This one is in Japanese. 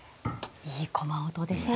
いい駒音でしたね。